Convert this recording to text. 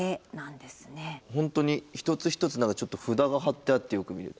本当に一つ一つ何かちょっと札が貼ってあってよく見ると。